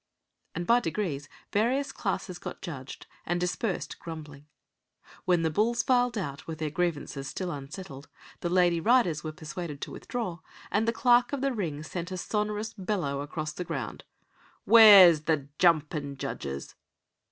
and by degrees various classes got judged, and dispersed grumbling. Then the bulls filed out with their grievances still unsettled, the lady riders were persuaded to withdraw, and the clerk of the ring sent a sonorous bellow across the ground: "Where's the jumpin' judges?"